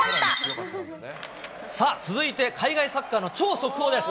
さあ、続いて海外サッカーの超速報です。